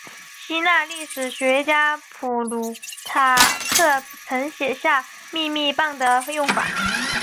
希腊历史学家普鲁塔克曾写下密码棒的用法。